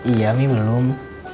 iya mi belum